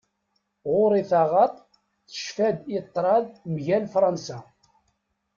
Ɣur-i taɣaḍt, tecfa-d i tṛad mgal Fransa.